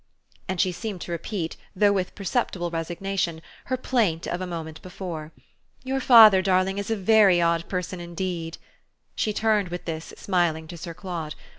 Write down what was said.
and she seemed to repeat, though with perceptible resignation, her plaint of a moment before. "Your father, darling, is a very odd person indeed." She turned with this, smiling, to Sir Claude.